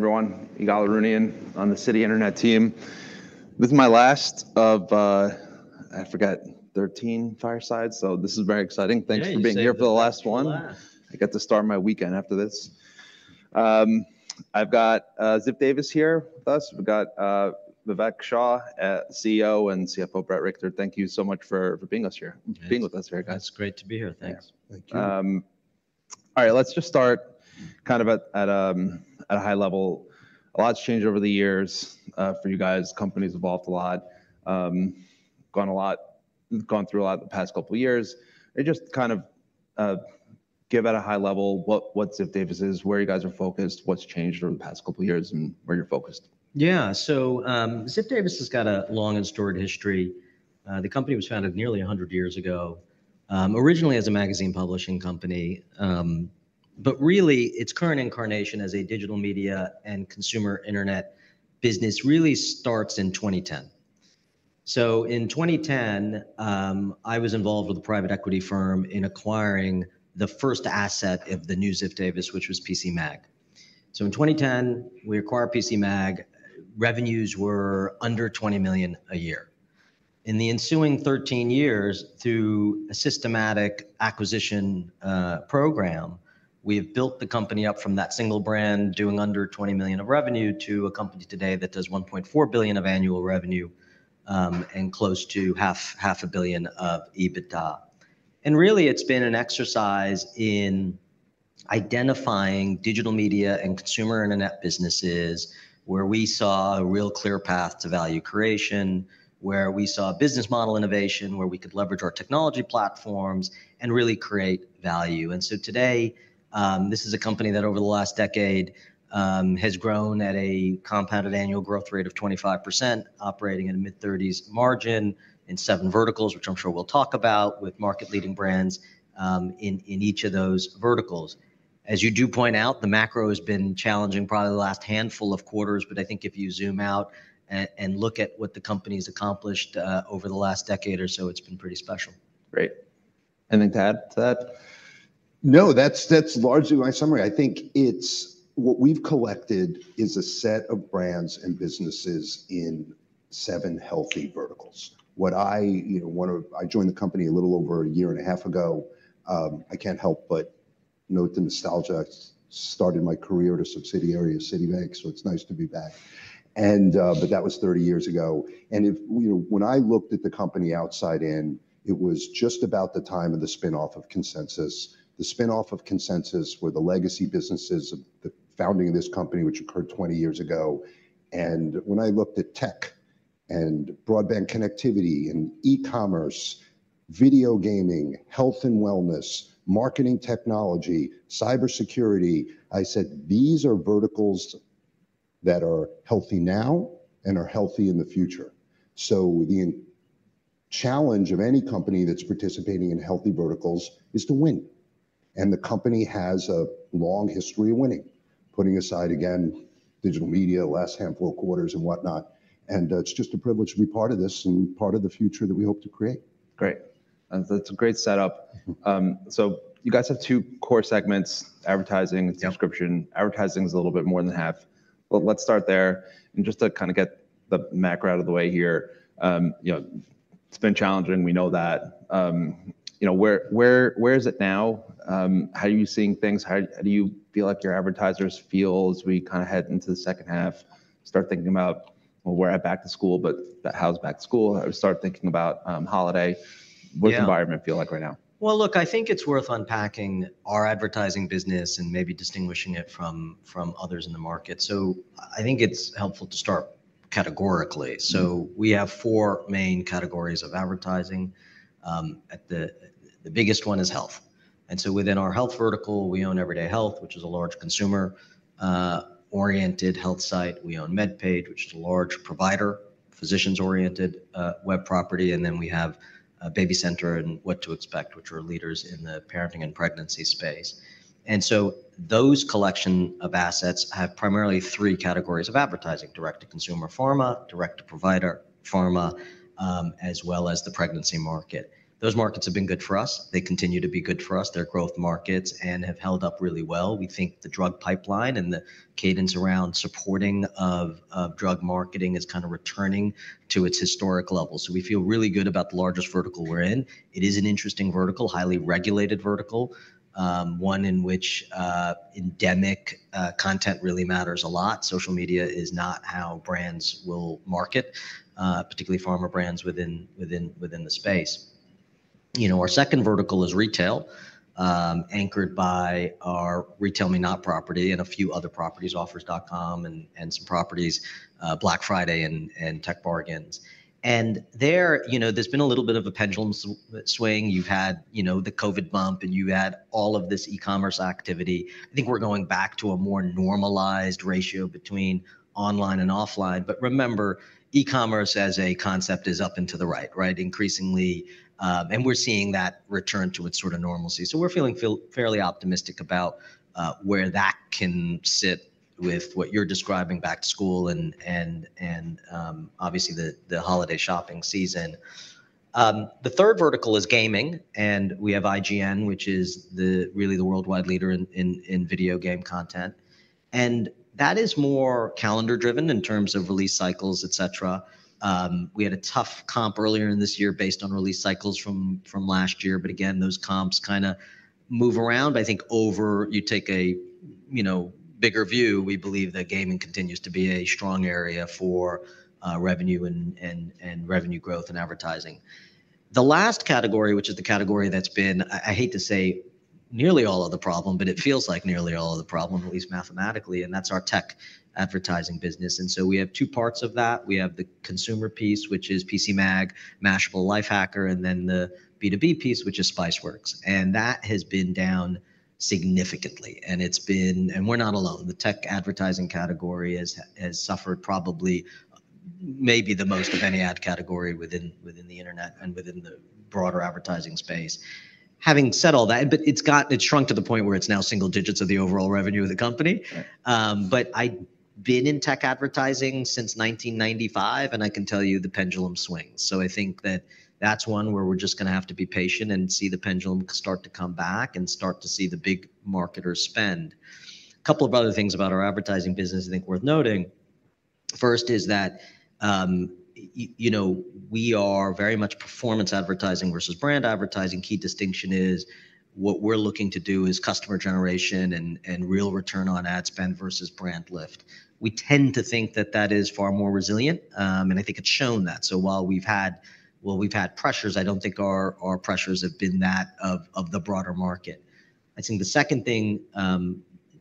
everyone, Ygal Arounian on the Citi Internet team. This is my last of, I forgot, 13 firesides, so this is very exciting. Yeah, you saved- Thanks for being here for the last one. The last. I get to start my weekend after this. I've got Ziff Davis here with us. We've got Vivek Shah, CEO, and CFO, Bret Richter. Thank you so much for being us here- Thanks Being with us here, guys. It's great to be here. Thanks. Yeah. Thank you. All right, let's just start kind of at a high level. A lot's changed over the years for you guys. Company's evolved a lot, gone through a lot the past couple years. Just kind of give at a high level what Ziff Davis is, where you guys are focused, what's changed over the past couple years, and where you're focused. Yeah, so, Ziff Davis has got a long and storied history. The company was founded nearly 100 years ago, originally as a magazine publishing company. But really, its current incarnation as a digital media and consumer internet business really starts in 2010. In 2010, I was involved with a private equity firm in acquiring the first asset of the new Ziff Davis, which was PCMag. In 2010, we acquired PCMag. Revenues were under $20 million a year. In the ensuing 13 years, through a systematic acquisition program, we have built the company up from that single brand doing under $20 million of revenue, to a company today that does $1.4 billion of annual revenue, and close to $500 million of EBITDA. Really, it's been an exercise in identifying digital media and consumer internet businesses, where we saw a real clear path to value creation, where we saw business model innovation, where we could leverage our Technology platforms and really create value. So today, this is a company that, over the last decade, has grown at a compounded annual growth rate of 25%, operating at a mid-30s margin in seven verticals, which I'm sure we'll talk about, with market-leading brands in each of those verticals. As you do point out, the macro has been challenging probably the last handful of quarters, but I think if you zoom out and look at what the company's accomplished over the last decade or so, it's been pretty special. Great. Anything to add to that? No, that's, that's largely my summary. I think it's... What we've collected is a set of brands and businesses in seven healthy verticals. What I, you know, want to- I joined the company a little over a year and a half ago. I can't help but note the nostalgia. I started my career at a subsidiary of Citibank, so it's nice to be back. And, but that was 30 years ago, and if, you know, when I looked at the company outside in, it was just about the time of the spin-off of ConsenSys. The spin-off of ConsenSys were the legacy businesses of the founding of this company, which occurred 20 years ago. When I looked at Tech and Broadband Connectivity and E-commerce, Video Gaming, Health & Wellness, marketing Technology, Cybersecurity, I said, These are verticals that are healthy now and are healthy in the future. So the challenge of any company that's participating in healthy verticals is to win, and the company has a long history of winning, putting aside, again, digital media, last handful of quarters and whatnot. It's just a privilege to be part of this and part of the future that we hope to create. Great. That's a great setup. Mm. So, you guys have two core segments: Advertising- Yeah... and Subscription. Advertising is a little bit more than half. Well, let's start there, and just to kind of get the macro out of the way here, you know, it's been challenging. We know that. You know, where is it now? How are you seeing things? How do you feel like your advertisers feel as we kind of head into the second half, start thinking about, well, we're at back to school, but how's back to school? We start thinking about holiday. Yeah. What does the environment feel like right now? Well, look, I think it's worth unpacking our Advertising business and maybe distinguishing it from, from others in the market. So I think it's helpful to start categorically. Mm. So we have four main categories of advertising. At the biggest one is health, and so within our health vertical, we own Everyday Health, which is a large consumer oriented health site. We own MedPage, which is a large provider, physicians-oriented web property, and then we have BabyCenter and What to Expect, which are leaders in the parenting and pregnancy space. And so those collection of assets have primarily three categories of advertising: direct-to-consumer pharma, direct-to-provider pharma, as well as the pregnancy market. Those markets have been good for us. They continue to be good for us. They're growth markets and have held up really well. We think the drug pipeline and the cadence around supporting of drug marketing is kind of returning to its historic level. So we feel really good about the largest vertical we're in. It is an interesting vertical, highly regulated vertical, one in which endemic content really matters a lot. Social media is not how brands will market, particularly pharma brands within the space. You know, our second vertical is retail, anchored by our RetailMeNot property and a few other properties, Offers.com and some properties, Black Friday and TechBargains. And there, you know, there's been a little bit of a pendulum swing. You've had, you know, the COVID bump, and you had all of this e-commerce activity. I think we're going back to a more normalized ratio between online and offline, but remember, e-commerce as a concept is up and to the right, right? Increasingly, and we're seeing that return to its sort of normalcy. So we're feeling fairly optimistic about where that can sit with what you're describing, back to school, and obviously, the holiday shopping season. The third vertical is Gaming, and we have IGN, which is really the worldwide leader in video game content. And that is more calendar-driven in terms of release cycles, et cetera. We had a tough comp earlier in this year based on release cycles from last year, but again, those comps kinda move around. But I think overall, you take a, you know, bigger view, we believe that Gaming continues to be a strong area for revenue and revenue growth in advertising. The last category, which is the category that's been, I hate to say, nearly all of the problem, but it feels like nearly all of the problem, at least mathematically, and that's our Tech Advertising business. And so we have two parts of that. We have the consumer piece, which is PCMag, Mashable, Lifehacker, and then the B2B piece, which is Spiceworks, and that has been down significantly, and it's been. And we're not alone. The Tech advertising category has suffered probably, maybe the most of any ad category within the internet and within the broader advertising space. Having said all that, but it's got- It's shrunk to the point where it's now single digits of the overall revenue of the company. Right. But I've been in Tech advertising since 1995, and I can tell you, the pendulum swings. So I think that that's one where we're just gonna have to be patient and see the pendulum start to come back and start to see the big marketers spend. A couple of other things about our Advertising business I think worth noting. First is that, you know, we are very much Performance Advertising versus Brand Advertising. Key distinction is, what we're looking to do is customer generation and real return on ad spend versus brand lift. We tend to think that that is far more resilient, and I think it's shown that. So while we've had... While we've had pressures, I don't think our pressures have been that of the broader market. I think the second thing,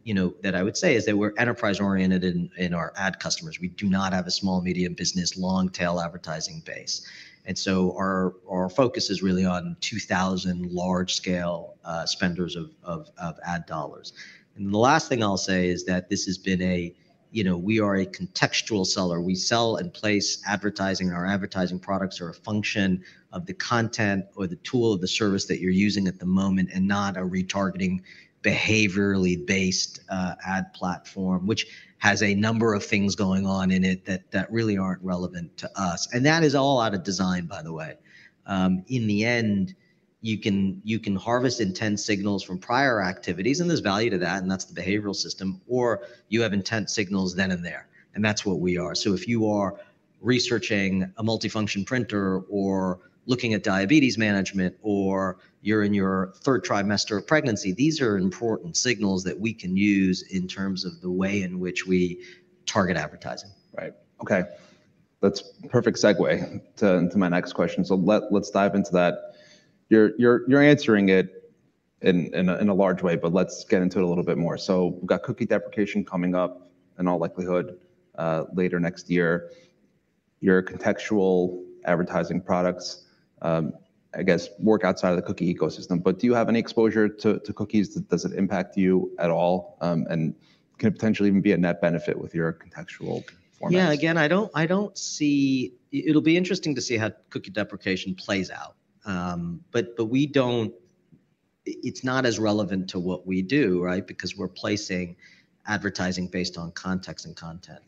you know, that I would say is that we're enterprise-oriented in our ad customers. We do not have a small, medium business, long-tail advertising base, and so our focus is really on 2,000 large-scale spenders of ad dollars. The last thing I'll say is that this has been, you know, we are a contextual seller. We sell and place advertising, and our advertising products are a function of the content or the tool or the service that you're using at the moment, and not a retargeting, behaviorally-based ad platform, which has a number of things going on in it that really aren't relevant to us, and that is all out of design, by the way. In the end, you can harvest intent signals from prior activities, and there's value to that, and that's the behavioral system, or you have intent signals then and there, and that's what we are. So if you are researching a multifunction printer or looking at diabetes management, or you're in your third trimester of pregnancy, these are important signals that we can use in terms of the way in which we target advertising. Right. Okay. That's a perfect segue to my next question, so let's dive into that. You're answering it in a large way, but let's get into it a little bit more. So we've got Cookie Deprecation coming up, in all likelihood, later next year. Your Contextual Advertising products, I guess, work outside of the cookie ecosystem, but do you have any exposure to cookies? Does it impact you at all? And can it potentially even be a net benefit with your Contextual performance? Yeah. Again, I don't see... It'll be interesting to see how Cookie Deprecation plays out. But it's not as relevant to what we do, right? Because we're placing advertising based on context and content.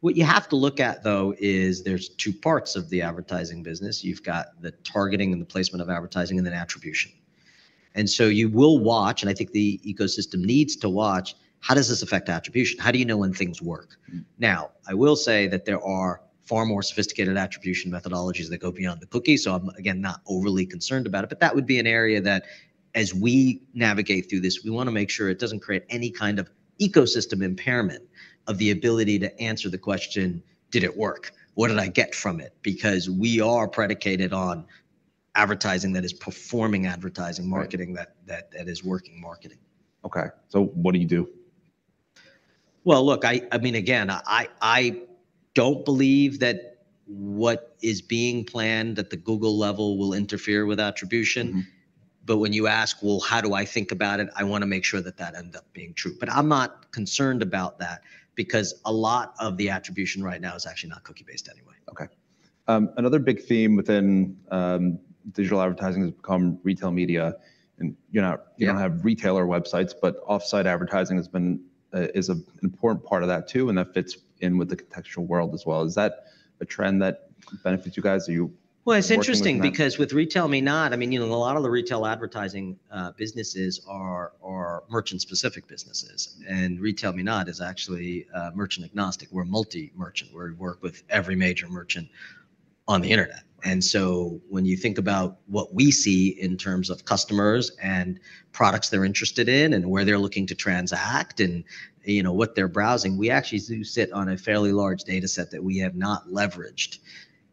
What you have to look at, though, is there's two parts of the Advertising business. You've got the Targeting and the Placement of advertising, and then Attribution. And so you will watch, and I think the ecosystem needs to watch: How does this affect Attribution? How do you know when things work? Mm. Now, I will say that there are far more sophisticated attribution methodologies that go beyond the cookie, so I'm, again, not overly concerned about it, but that would be an area that, as we navigate through this, we wanna make sure it doesn't create any kind of ecosystem impairment of the ability to answer the question, Did it work? What did I get from it? Because we are predicated on advertising that is performing advertising- Right... marketing that is working marketing. Okay. So what do you do? Well, look, I mean, again, I don't believe that what is being planned at the Google level will interfere with attribution. Mm-hmm. But when you ask, Well, how do I think about it? I wanna make sure that that ends up being true. But I'm not concerned about that, because a lot of the attribution right now is actually not cookie-based anyway. Okay. Another big theme within digital advertising has become retail media, and you're not- Yeah... you don't have retailer websites, but offsite advertising has been, is an important part of that, too, and that fits in with the contextual world as well. Is that a trend that benefits you guys? Are you working in that? Well, it's interesting, because with RetailMeNot, I mean, you know, a lot of the retail Advertising businesses are merchant-specific businesses, and RetailMeNot is actually merchant-agnostic. We're multi-merchant, where we work with every major merchant on the internet. Right. And so when you think about what we see in terms of customers and products they're interested in, and where they're looking to transact, and, you know, what they're browsing, we actually do sit on a fairly large data set that we have not leveraged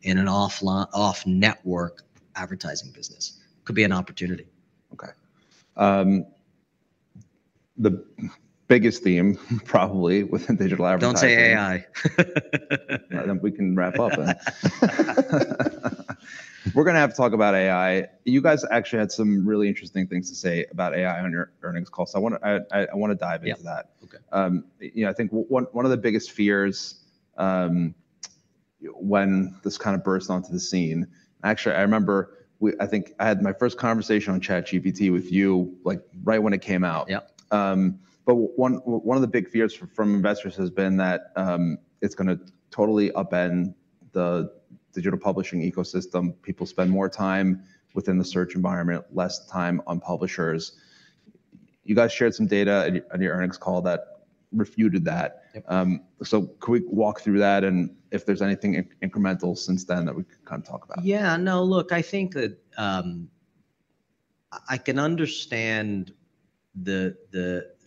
in an off-network Advertising business. Could be an opportunity. Okay. The biggest theme probably within digital advertising- Don't say AI.... Then we can wrap up then. We're gonna have to talk about AI. You guys actually had some really interesting things to say about AI on your earnings call, so I wanna dive into that. Yeah. Okay. You know, I think one of the biggest fears when this kind of burst onto the scene... Actually, I remember, I think I had my first conversation on ChatGPT with you, like, right when it came out. Yep. But one of the big fears from investors has been that, it's gonna totally upend the digital publishing ecosystem. People spend more time within the search environment, less time on publishers. You guys shared some data on your earnings call that refuted that. Yep. So could we walk through that, and if there's anything incremental since then that we can kind of talk about? Yeah, no, look, I think that, I can understand the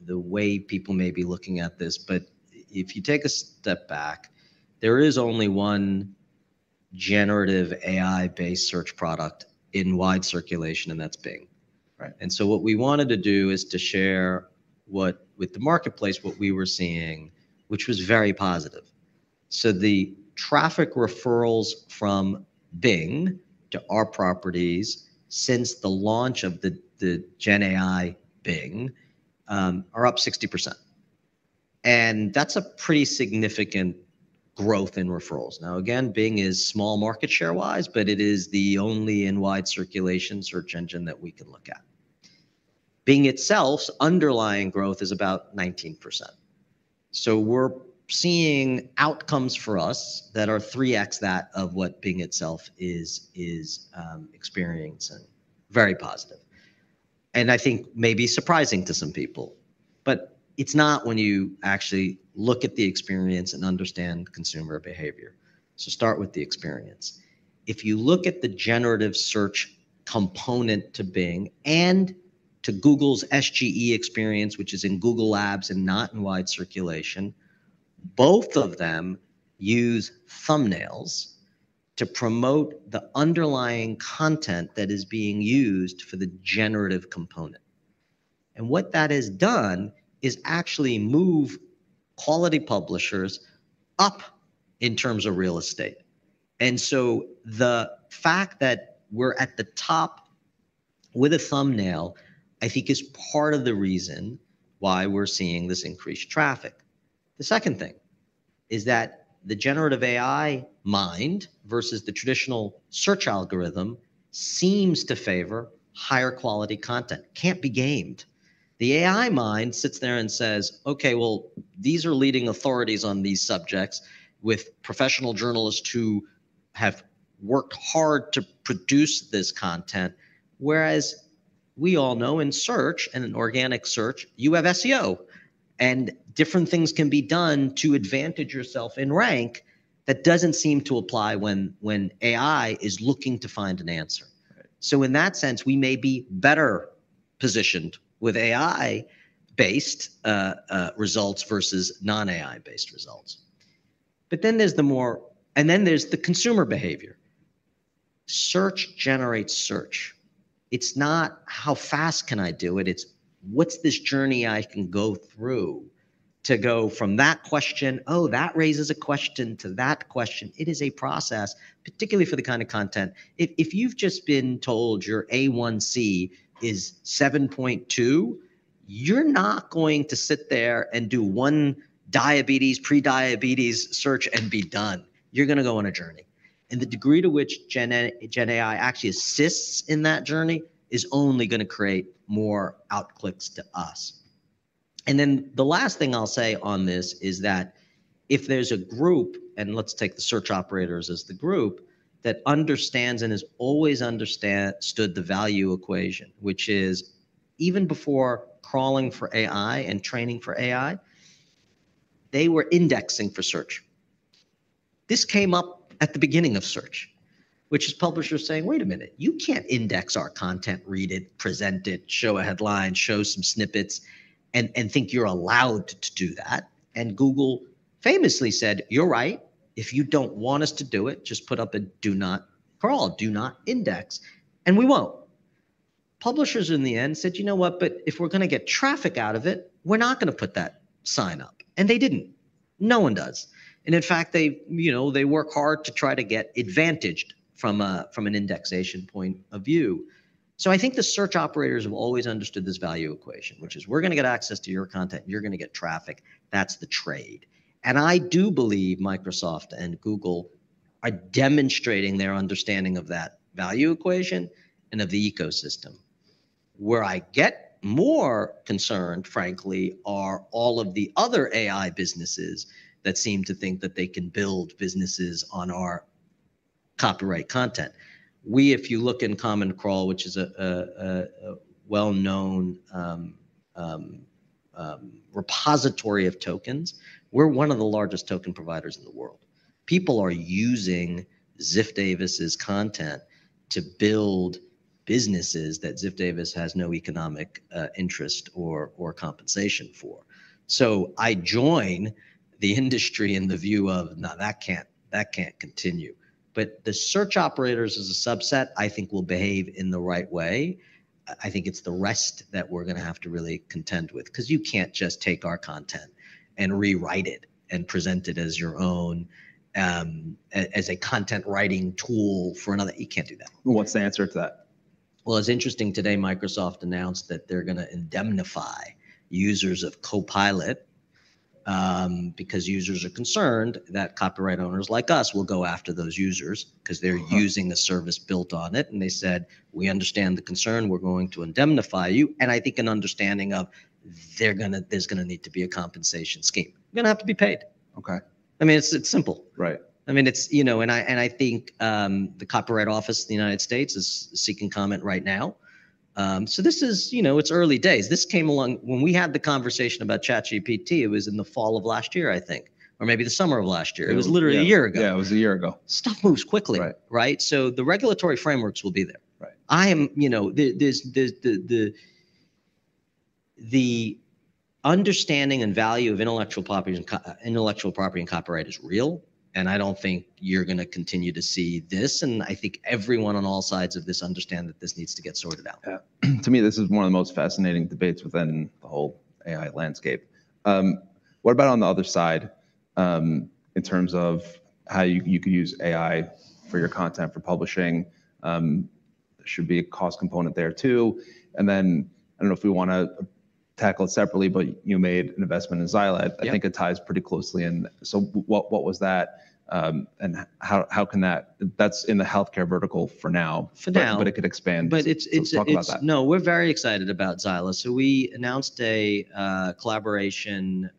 way people may be looking at this, but if you take a step back, there is only one generative AI-based search product in wide circulation, and that's Bing. Right. What we wanted to do is to share with the marketplace what we were seeing, which was very positive. So the traffic referrals from Bing to our properties since the launch of the Gen AI Bing are up 60%, and that's a pretty significant growth in referrals. Now, again, Bing is small market share-wise, but it is the only in-wide circulation search engine that we can look at. Bing itself's underlying growth is about 19%. So we're seeing outcomes for us that are 3x that of what Bing itself is experiencing. Very positive, and I think maybe surprising to some people. But it's not when you actually look at the experience and understand consumer behavior. So start with the experience. If you look at the generative search component to Bing and to Google's SGE experience, which is in Google Labs and not in wide circulation, both of them use thumbnails to promote the underlying content that is being used for the generative component. And what that has done is actually move quality publishers up in terms of real estate. And so the fact that we're at the top with a thumbnail, I think, is part of the reason why we're seeing this increased traffic. The second thing is that the generative AI mind versus the traditional search algorithm seems to favor higher quality content. Can't be gamed. The AI mind sits there and says: Okay, well, these are leading authorities on these subjects with professional journalists who have worked hard to produce this content. Whereas we all know in search and in organic search, you have SEO, and different things can be done to advantage yourself in rank. That doesn't seem to apply when AI is looking to find an answer. Right. So in that sense, we may be better positioned with AI-based results versus non-AI-based results. But then there's the consumer behavior. Search generates search. It's not, how fast can I do it? It's, what's this journey I can go through to go from that question, Oh, that raises a question, to that question. It is a process, particularly for the kind of content. If you've just been told your A1C is 7.2, you're not going to sit there and do one diabetes, pre-diabetes search and be done. You're gonna go on a journey, and the degree to which Gen AI actually assists in that journey is only gonna create more outclicks to us. And then the last thing I'll say on this is that if there's a group, and let's take the search operators as the group, that understands and has always understood the value equation, which is even before crawling for AI and training for AI, they were indexing for search. This came up at the beginning of search, which is publishers saying: Wait a minute, you can't index our content, read it, present it, show a headline, show some snippets, and think you're allowed to do that. And Google famously said: You're right. If you don't want us to do it, just put up a do not crawl, do not index, and we won't. Publishers in the end said: You know what? But if we're gonna get traffic out of it, we're not gonna put that sign up. And they didn't. No one does. In fact, they, you know, they work hard to try to get advantaged from a, from an indexation point of view. So I think the search operators have always understood this value equation, which is we're gonna get access to your content, you're gonna get traffic. That's the trade. And I do believe Microsoft and Google are demonstrating their understanding of that value equation and of the ecosystem. Where I get more concerned, frankly, are all of the other AI businesses that seem to think that they can build businesses on our copyright content. We, if you look in Common Crawl, which is a well-known repository of tokens, we're one of the largest token providers in the world. People are using Ziff Davis's content to build businesses that Ziff Davis has no economic interest or compensation for. So I join the industry in the view of, No, that can't, that can't continue. But the search operators as a subset, I think, will behave in the right way. I, I think it's the rest that we're gonna have to really contend with, 'cause you can't just take our content and rewrite it and present it as your own, as a content writing tool for another... You can't do that. What's the answer to that? Well, it's interesting, today, Microsoft announced that they're gonna indemnify users of Copilot, because users are concerned that copyright owners like us will go after those users- Uh-huh... 'cause they're using the service built on it, and they said: We understand the concern. We're going to indemnify you. And I think an understanding of they're gonna-- there's gonna need to be a compensation scheme. We're gonna have to be paid.... Okay. I mean, it's, it's simple. Right. I mean, it's, you know, and I, and I think, the Copyright Office of the United States is seeking comment right now. So this is, you know, it's early days. This came along when we had the conversation about ChatGPT, it was in the fall of last year, I think, or maybe the summer of last year. Yeah. It was literally a year ago. Yeah, it was a year ago. Stuff moves quickly. Right. Right? So the regulatory frameworks will be there. Right. You know, there's the understanding and value of intellectual property and copyright is real, and I don't think you're gonna continue to see this, and I think everyone on all sides of this understand that this needs to get sorted out. Yeah. To me, this is one of the most fascinating debates within the whole AI landscape. What about on the other side, in terms of how you, you could use AI for your content for publishing? There should be a cost component there, too. And then, I don't know if we wanna tackle it separately, but you made an investment in Xyla. Yeah. I think it ties pretty closely in. So what, what was that, and how, how can that... That's in the Healthcare vertical for now. For now. But it could expand. But it's- Let's talk about that. No, we're very excited about Xyla. So we announced a collaboration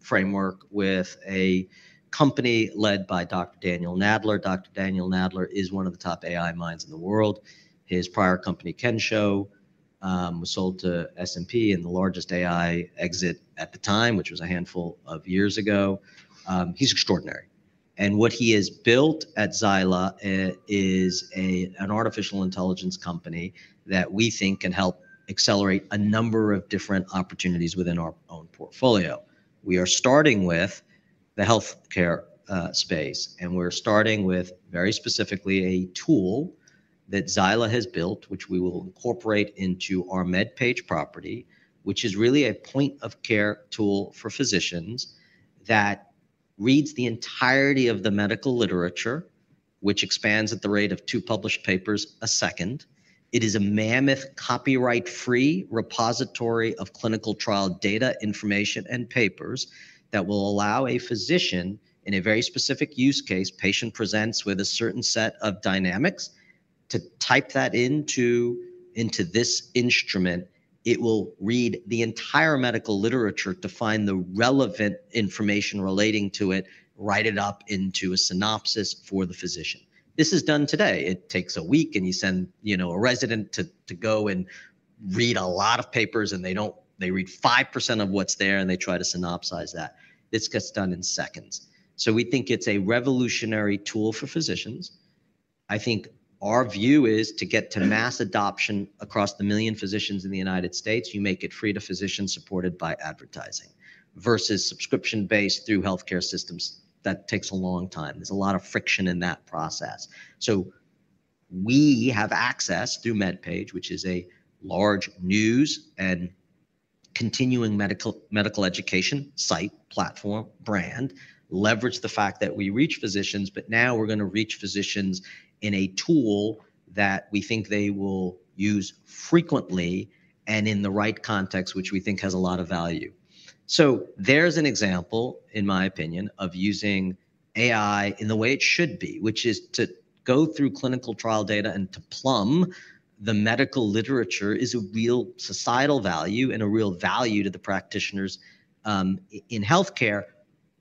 framework with a company led by Dr. Daniel Nadler. Dr. Daniel Nadler is one of the top AI minds in the world. His prior company, Kensho, was sold to S&P in the largest AI exit at the time, which was a handful of years ago. He's extraordinary. And what he has built at Xyla is an artificial intelligence company that we think can help accelerate a number of different opportunities within our own portfolio. We are starting with the healthcare space, and we're starting with, very specifically, a tool that Xyla has built, which we will incorporate into our MedPage property, which is really a point-of-care tool for physicians that reads the entirety of the medical literature, which expands at the rate of two published papers a second. It is a mammoth copyright-free repository of clinical trial data, information, and papers that will allow a physician, in a very specific use case, patient presents with a certain set of dynamics, to type that into this instrument. It will read the entire medical literature to find the relevant information relating to it, write it up into a synopsis for the physician. This is done today. It takes a week, and you send, you know, a resident to go and read a lot of papers, and they don't. They read 5% of what's there, and they try to synopsize that. This gets done in seconds. So we think it's a revolutionary tool for physicians. I think our view is to get to mass adoption across 1 million physicians in the United States, you make it free to physicians supported by advertising, versus Subscription-based through healthcare systems. That takes a long time. There's a lot of friction in that process. So we have access through MedPage, which is a large news and continuing medical education site, platform, brand. Leverage the fact that we reach physicians, but now we're gonna reach physicians in a tool that we think they will use frequently and in the right context, which we think has a lot of value. So there's an example, in my opinion, of using AI in the way it should be, which is to go through clinical trial data and to plumb the medical literature, is a real societal value and a real value to the practitioners in healthcare,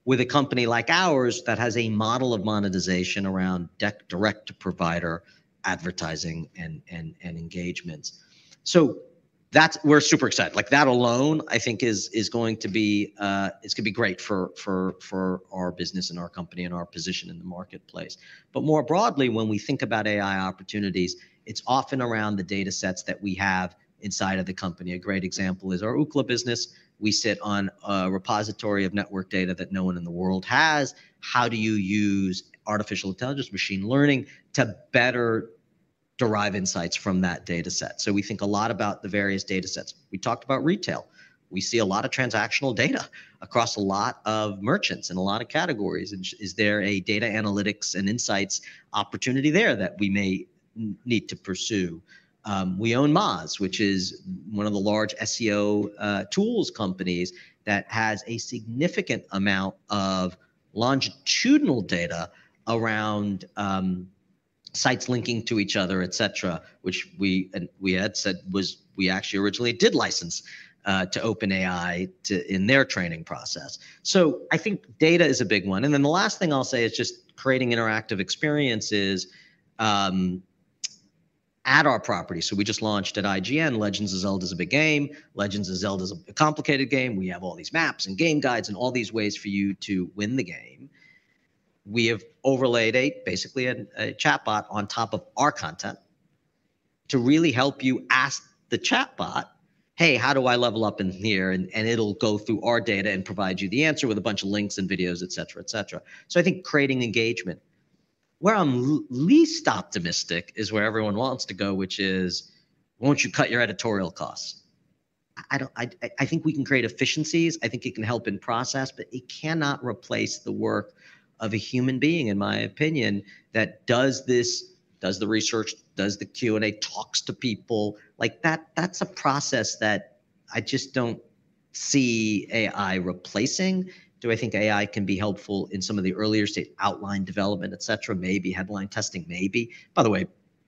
with a company like ours that has a model of monetization around direct-to-provider advertising and engagements. So that's... We're super excited. Like, that alone, I think is, is going to be, it's gonna be great for, for, for our business and our company and our position in the marketplace. But more broadly, when we think about AI opportunities, it's often around the datasets that we have inside of the company. A great example is our Ookla business. We sit on a repository of network data that no one in the world has. How do you use artificial intelligence, machine learning, to better derive insights from that dataset? So we think a lot about the various datasets. We talked about retail. We see a lot of transactional data across a lot of merchants and a lot of categories, and is there a data analytics and insights opportunity there that we may need to pursue? We own Moz, which is one of the large SEO tools companies that has a significant amount of longitudinal data around sites linking to each other, et cetera, which we had said was—we actually originally did license to OpenAI to in their training process. So I think data is a big one. And then the last thing I'll say is just creating interactive experiences at our property. So we just launched The IGL, The Legend of Zelda. The Legend of Zelda is a complicated game. We have all these maps and game guides and all these ways for you to win the game. We have overlaid, basically, a chatbot on top of our content to really help you ask the chatbot, Hey, how do I level up in here? And it'll go through our data and provide you the answer with a bunch of links and videos, et cetera, et cetera. So I think creating engagement. Where I'm least optimistic is where everyone wants to go, which is: Won't you cut your editorial costs? I don't, I think we can create efficiencies, I think it can help in process, but it cannot replace the work of a human being, in my opinion, that does this, does the research, does the Q&A, talks to people. Like, that's a process that I just don't see AI replacing. Do I think AI can be helpful in some of the earlier stage, outline development, et cetera? Maybe. Headline testing? Maybe. By the way,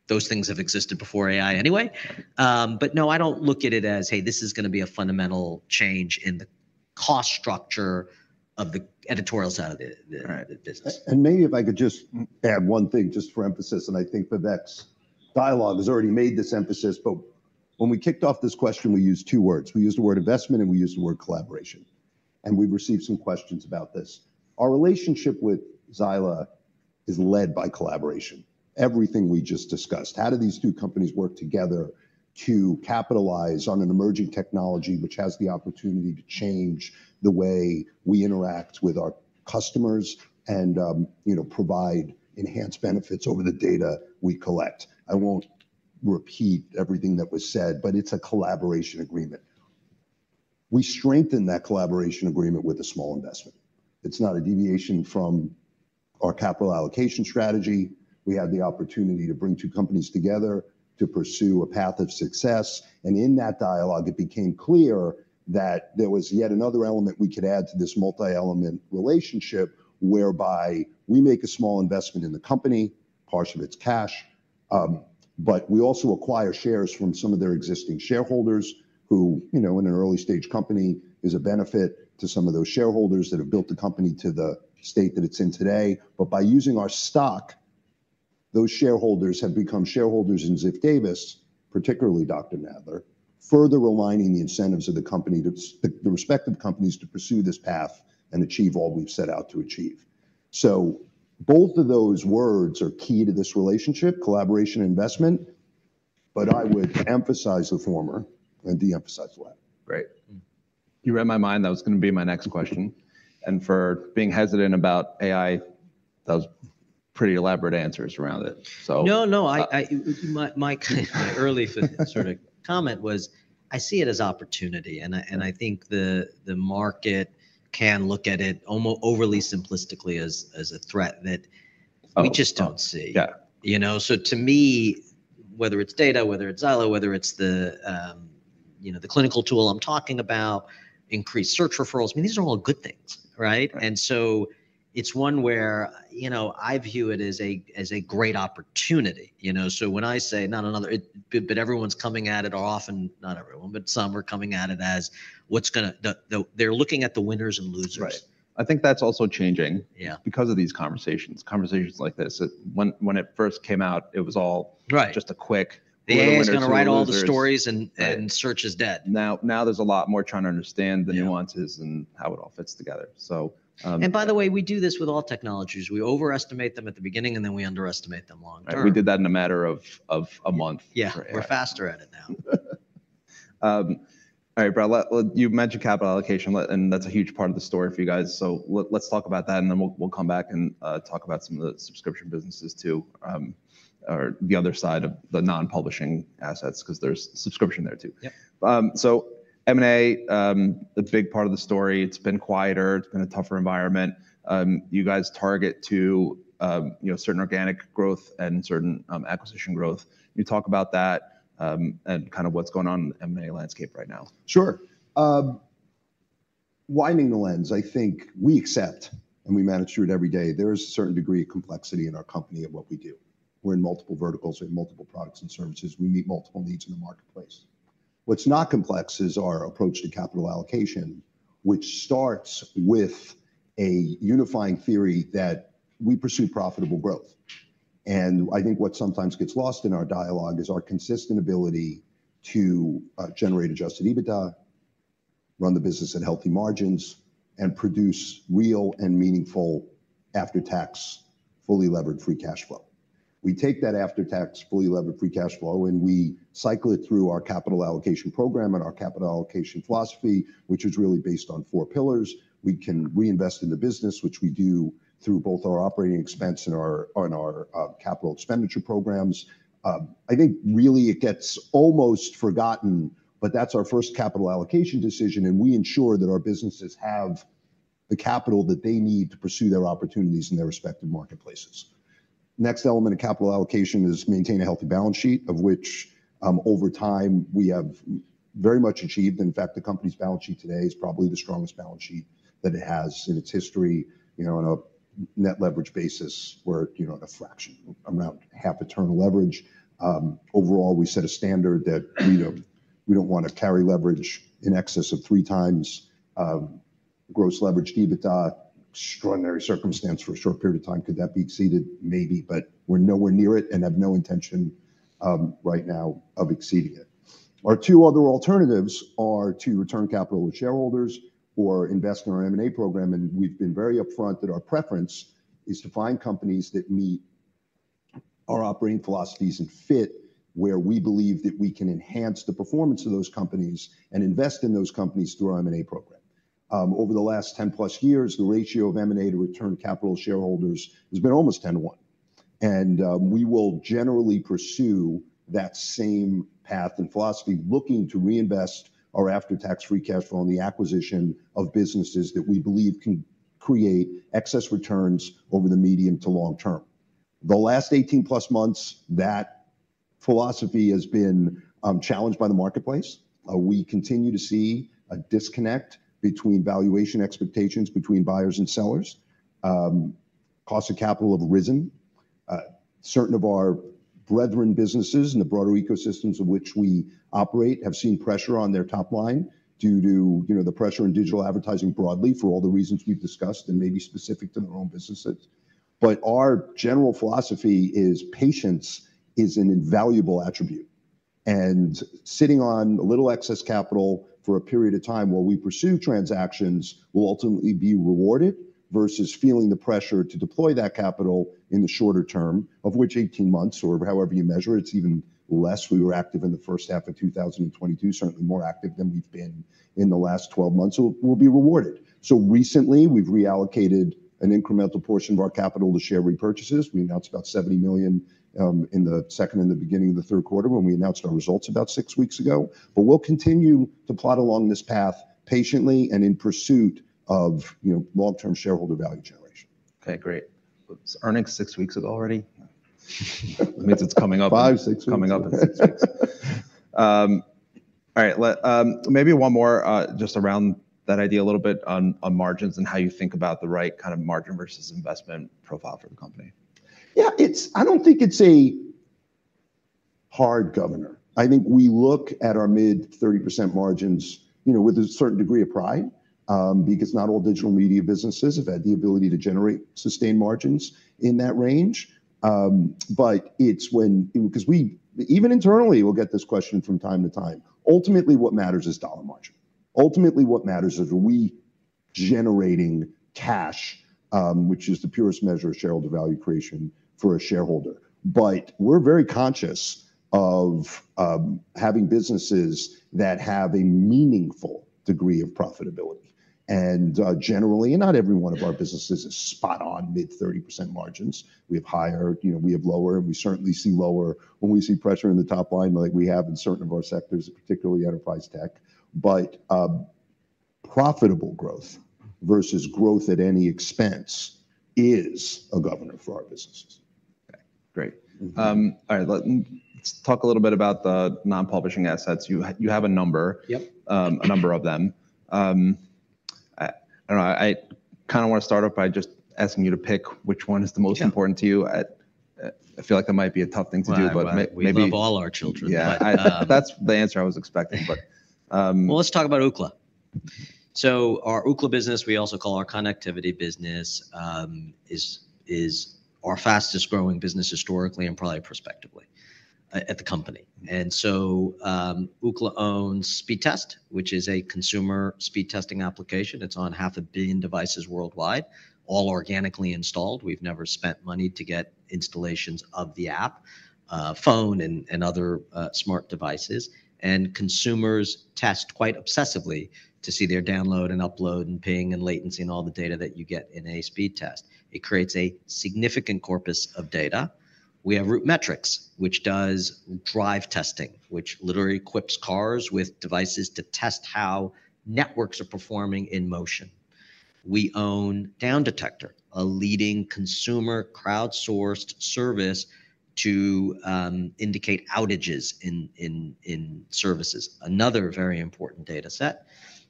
those things have existed before AI anyway. But no, I don't look at it as, hey, this is gonna be a fundamental change in the cost structure of the editorial side of the, the- Right -the business. Maybe if I could just add one thing, just for emphasis, and I think Vivek's dialogue has already made this emphasis. But when we kicked off this question, we used two words. We used the word investment, and we used the word collaboration, and we've received some questions about this. Our relationship with Xyla is led by collaboration. Everything we just discussed, how do these two companies work together to capitalize on an emerging Technology, which has the opportunity to change the way we interact with our customers and, you know, provide enhanced benefits over the data we collect? I won't repeat everything that was said, but it's a collaboration agreement. We strengthen that collaboration agreement with a small investment. It's not a deviation from our capital allocation strategy. We have the opportunity to bring two companies together to pursue a path of success, and in that dialogue, it became clear that there was yet another element we could add to this multi-element relationship, whereby we make a small investment in the company, part of its cash, but we also acquire shares from some of their existing shareholders who, you know, in an early-stage company, is a benefit to some of those shareholders that have built the company to the state that it's in today. But by using our stock, those shareholders have become shareholders in Ziff Davis, particularly Dr. Nadler, further aligning the incentives of the company to the respective companies to pursue this path and achieve all we've set out to achieve. So both of those words are key to this relationship, collaboration, investment, but I would emphasize the former and de-emphasize the latter. Great. You read my mind. That was gonna be my next question. And for being hesitant about AI, that was pretty elaborate answers around it, so- No, no, my early sort of comment was, I see it as opportunity, and I think the market can look at it almost overly simplistically as a threat that- Oh We just don't see. Yeah. You know? So to me, whether it's data, whether it's Xyla, whether it's the, you know, the clinical tool I'm talking about, increased search referrals, I mean, these are all good things, right? Right. So it's one where, you know, I view it as a, as a great opportunity, you know. So when I say not another-- but everyone's coming at it often, not everyone, but some are coming at it as what's gonna... they're looking at the winners and losers. Right. I think that's also changing- Yeah... because of these conversations, conversations like this. When it first came out, it was all- Right Just a quick winners or losers. AI's gonna write all the stories and search is dead. Now, now there's a lot more trying to understand the nuances- Yeah and how it all fits together. So, And by the way, we do this with all technologies. We overestimate them at the beginning, and then we underestimate them long term. We did that in a matter of a month. Yeah. We're faster at it now. All right, Bret, well, you've mentioned capital allocation, and that's a huge part of the story for you guys. So let's talk about that, and then we'll come back and talk about some of the Subscription businesses, too, or the other side of the non-publishing assets, 'cause there's Subscription there, too. Yeah. So M&A, it's a big part of the story. It's been quieter. It's been a tougher environment. You guys target to, you know, certain organic growth and certain, acquisition growth. Can you talk about that, and kind of what's going on in the M&A landscape right now? Sure. Widening the lens, I think we accept, and we manage through it every day, there is a certain degree of complexity in our company and what we do. We're in multiple verticals. We have multiple products and services. We meet multiple needs in the marketplace. What's not complex is our approach to capital allocation, which starts with a unifying theory that we pursue profitable growth. And I think what sometimes gets lost in our dialogue is our consistent ability to generate Adjusted EBITDA, run the business at healthy margins, and produce real and meaningful after-tax, fully levered free cash flow. We take that after-tax, fully levered free cash flow, and we cycle it through our capital allocation program and our capital allocation philosophy, which is really based on four pillars. We can reinvest in the business, which we do through both our operating expense and our, on our, capital expenditure programs. I think really it gets almost forgotten, but that's our first capital allocation decision, and we ensure that our businesses have the capital that they need to pursue their opportunities in their respective marketplaces. Next element of capital allocation is maintain a healthy balance sheet, of which, over time, we have very much achieved. In fact, the company's balance sheet today is probably the strongest balance sheet that it has in its history, you know, on a net leverage basis, we're, you know, at a fraction, around half net leverage. Overall, we set a standard that, you know, we don't want to carry leverage in excess of three times, gross leverage to EBITDA. Extraordinary circumstance for a short period of time, could that be exceeded? Maybe, but we're nowhere near it and have no intention, right now, of exceeding it. Our two other alternatives are to return capital to shareholders or invest in our M&A program, and we've been very upfront that our preference is to find companies that meet our operating philosophies and fit, where we believe that we can enhance the performance of those companies and invest in those companies through our M&A program. Over the last 10+ years, the ratio of M&A to return capital to shareholders has been almost 10:1, and we will generally pursue that same path and philosophy, looking to reinvest our after-tax-free cash flow on the acquisition of businesses that we believe can create excess returns over the medium to long term. The last 18+ months, that philosophy has been challenged by the marketplace. We continue to see a disconnect between valuation expectations between buyers and sellers.... costs of capital have risen. Certain of our brethren businesses and the broader ecosystems of which we operate have seen pressure on their top line due to, you know, the pressure in digital advertising broadly, for all the reasons we've discussed, and maybe specific to their own businesses. But our general philosophy is patience is an invaluable attribute, and sitting on a little excess capital for a period of time while we pursue transactions will ultimately be rewarded, versus feeling the pressure to deploy that capital in the shorter term, of which 18 months or however you measure it, it's even less. We were active in the first half of 2022, certainly more active than we've been in the last 12 months, so we'll be rewarded. So recently, we've reallocated an incremental portion of our capital to share repurchases. We announced about $70 million in the second and the beginning of the third quarter when we announced our results about six weeks ago. But we'll continue to plot along this path patiently and in pursuit of, you know, long-term shareholder value generation. Okay, great. Was earnings six weeks ago already? That means it's coming up- 5, 6 weeks. It's coming up in six weeks. All right, let-- maybe one more, just around that idea a little bit on, on margins and how you think about the right kind of margin versus investment profile for the company. Yeah, it's. I don't think it's a hard governor. I think we look at our mid-30% margins, you know, with a certain degree of pride, because not all digital media businesses have had the ability to generate sustained margins in that range. But it's when... 'Cause we, even internally, we'll get this question from time to time. Ultimately, what matters is dollar margin. Ultimately, what matters is, are we generating cash, which is the purest measure of shareholder value creation for a shareholder. But we're very conscious of, having businesses that have a meaningful degree of profitability. And, generally, and not every one of our businesses is spot on mid-30% margins. We have higher, you know, we have lower, and we certainly see lower when we see pressure in the top line, like we have in certain of our sectors, particularly enterprise Tech. But, profitable growth versus growth at any expense is a governor for our businesses. Okay, great. Mm-hmm. All right, let's talk a little bit about the non-publishing assets. You have a number. Yep. A number of them. I don't know, I kind of want to start off by just asking you to pick which one is the most- Sure... important to you. I feel like that might be a tough thing to do, but maybe- We love all our children. Yeah. That's the answer I was expecting, but- Well, let's talk about Ookla. So our Ookla business, we also call our connectivity business, is our fastest growing business historically and probably prospectively at the company. And so, Ookla owns Speedtest, which is a consumer speed testing application. It's on 500 million devices worldwide, all organically installed. We've never spent money to get installations of the app, phone and other smart devices. And consumers test quite obsessively to see their download and upload, and ping, and latency, and all the data that you get in a speed test. It creates a significant corpus of data. We have RootMetrics, which does drive testing, which literally equips cars with devices to test how networks are performing in motion. We own Downdetector, a leading consumer crowdsourced service to indicate outages in services. Another very important data set,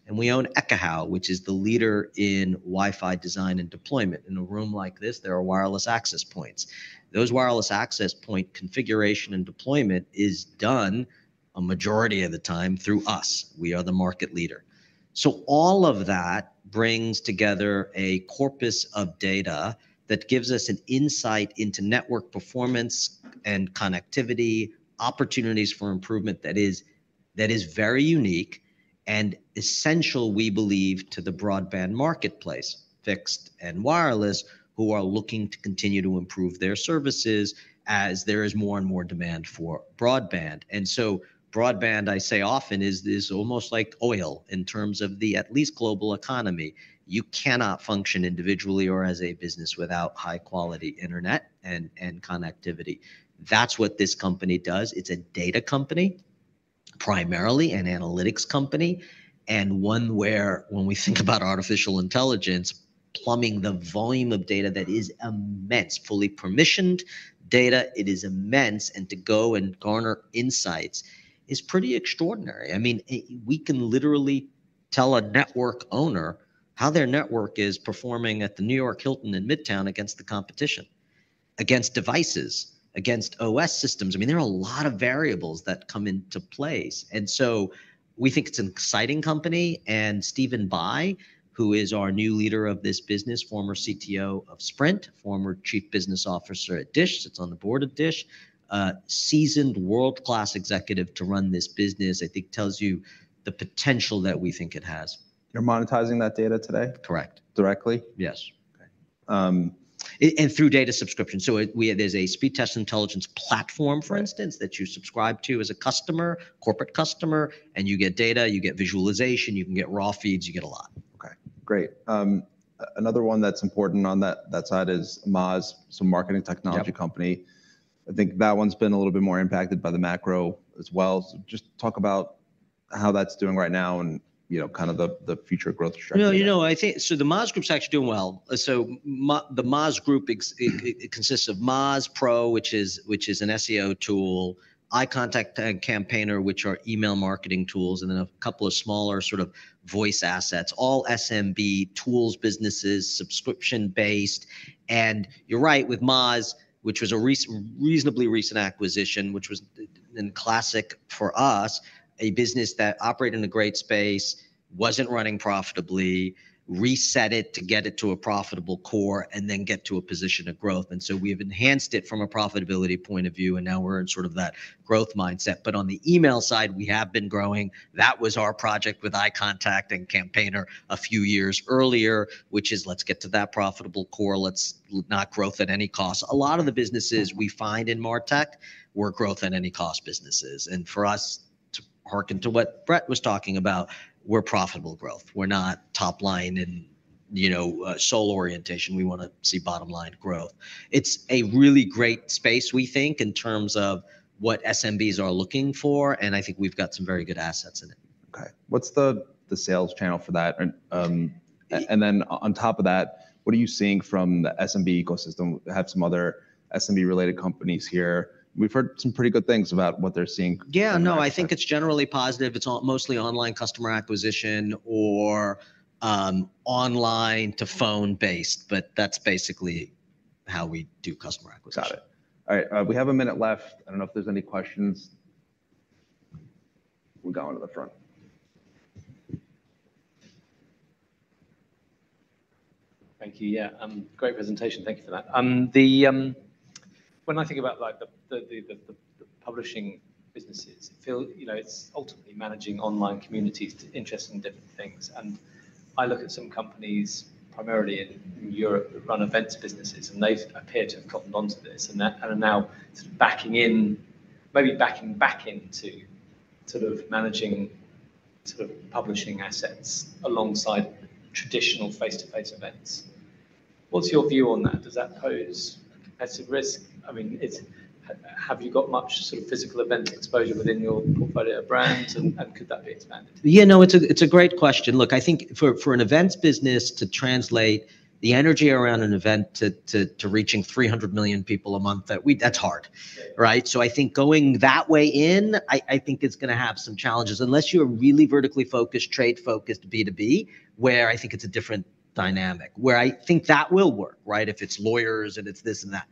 and we own Ekahau, which is the leader in Wi-Fi design and deployment. In a room like this, there are wireless access points. Those wireless access point configuration and deployment is done a majority of the time through us. We are the market leader. So all of that brings together a corpus of data that gives us an insight into network performance and connectivity, opportunities for improvement that is very unique and essential, we believe, to the broadband marketplace, fixed and wireless, who are looking to continue to improve their services as there is more and more demand for broadband. And so broadband, I say often, is almost like oil in terms of the at least global economy. You cannot function individually or as a business without high-quality internet and connectivity. That's what this company does. It's a data company, primarily an analytics company, and one where when we think about artificial intelligence, plumbing the volume of data that is immense, fully permissioned data, it is immense, and to go and garner insights is pretty extraordinary. I mean, we can literally tell a network owner how their network is performing at the New York Hilton Midtown against the competition, against devices, against OS systems. I mean, there are a lot of variables that come into place, and so we think it's an exciting company. And Stephen Bye, who is our new leader of this business, former CTO of Sprint, former Chief Business Officer at Dish, sits on the board of Dish, seasoned world-class executive to run this business, I think tells you the potential that we think it has. You're monetizing that data today? Correct. Directly? Yes. Okay, um- And through data subscription. So there's a speed test intelligence platform, for instance. Right... that you subscribe to as a customer, corporate customer, and you get data, you get visualization, you can get raw feeds, you get a lot. Okay, great. Another one that's important on that, that side is Moz, some marketing Technology company. Yep. I think that one's been a little bit more impacted by the macro as well. So just talk about how that's doing right now, and, you know, kind of the future growth strategy? Well, you know, I think, so the Moz Group's actually doing well. So the Moz Group, it consists of Moz Pro, which is, which is an SEO tool, iContact and Campaigner, which are email marketing tools, and then a couple of smaller sort of voice assets, all SMB tools businesses, Subscription-based. And you're right, with Moz, which was a reasonably recent acquisition, which was and classic for us, a business that operated in a great space, wasn't running profitably, reset it to get it to a profitable core, and then get to a position of growth. And so we've enhanced it from a profitability point of view, and now we're in sort of that growth mindset. But on the email side, we have been growing. That was our project with iContact and Campaigner a few years earlier, which is, let's get to that profitable core, let's not growth at any cost. A lot of the businesses we find in MarTech were growth at any cost businesses. And for us, to hearken to what Bret was talking about, we're profitable growth. We're not top line and, you know, sole orientation. We wanna see bottom line growth. It's a really great space, we think, in terms of what SMBs are looking for, and I think we've got some very good assets in it. Okay. What's the sales channel for that? And then on top of that, what are you seeing from the SMB ecosystem? We have some other SMB-related companies here, and we've heard some pretty good things about what they're seeing. Yeah, no, I think it's generally positive. It's mostly online customer acquisition or, online to phone-based, but that's basically how we do customer acquisition. Got it. All right, we have a minute left. I don't know if there's any questions. We'll go into the front. Thank you. Yeah, great presentation. Thank you for that. When I think about, like, the publishing businesses, it feel, you know, it's ultimately managing online communities interested in different things. And I look at some companies, primarily in Europe, that run events businesses, and they've appeared to have caught onto this, and that, and are now sort of backing in, maybe backing back into sort of managing, sort of publishing assets alongside traditional face-to-face events. What's your view on that? Does that pose an excessive risk? I mean, it's, have you got much sort of physical event exposure within your portfolio of brands, and, and could that be expanded? Yeah, no, it's a great question. Look, I think for an events business to translate the energy around an event to reaching 300 million people a month, that's hard. Yeah. Right? So I think going that way in, I, I think it's gonna have some challenges, unless you're a really vertically focused, trade-focused B2B, where I think it's a different dynamic, where I think that will work, right? If it's lawyers, and it's this and that.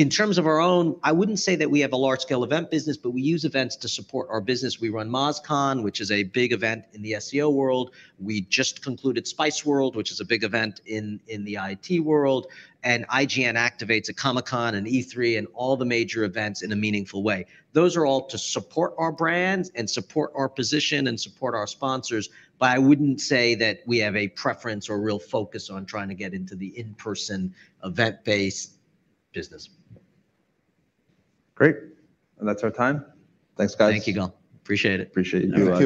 In terms of our own, I wouldn't say that we have a large-scale event business, but we use events to support our business. We run MozCon, which is a big event in the SEO world. We just concluded SpiceWorld, which is a big event in the IT world, and IGN activates a Comic-Con, an E3, and all the major events in a meaningful way. Those are all to support our brands and support our position and support our sponsors, but I wouldn't say that we have a preference or real focus on trying to get into the in-person event-based business. Great, and that's our time. Thanks, guys. Thank you again. Appreciate it. Appreciate you.